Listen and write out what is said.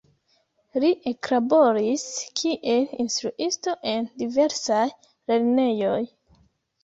Li eklaboris kiel instruisto en diversaj lernejoj.